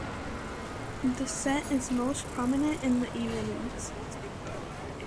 The scent is most prominent in the evenings.